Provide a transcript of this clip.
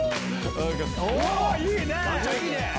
おいいね！